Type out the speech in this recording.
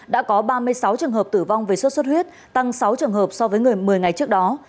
đã có ba mươi sáu trường hợp tử vong về sốt xuất huyết tăng sáu trường hợp so với người một mươi ngày trước đó